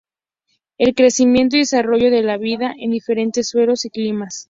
El crecimiento y desarrollo de la vid en diferentes suelos y climas.